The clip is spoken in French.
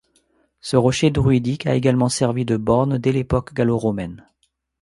Ce rocher druidique a également servi de borne dès l'époque gallo-romaine.